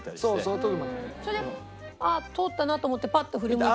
それ「あっ通ったな」と思ってパッと振り向いて。